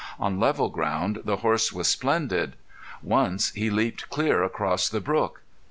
On level ground the horse was splendid. Once he leaped clear across the brook.